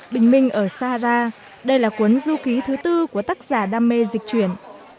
bình minh ở sahara đây là cuốn du ký thứ tư của tác giả đam mê dịch chuyển